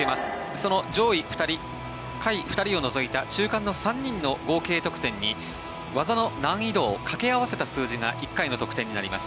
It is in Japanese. その上位２人、下位２人を除いた中間の３人の合計得点に技の難易度を掛け合わせた数字が１回の得点になります。